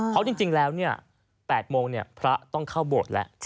เพราะจริงแล้ว๘โมงพระต้องเข้าโบสถ์แล้ว